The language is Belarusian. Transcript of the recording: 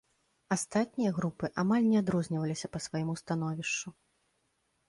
Астатнія групы амаль не адрозніваліся па свайму становішчу.